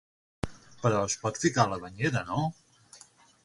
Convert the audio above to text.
Però es pot ficar a la banyera, no?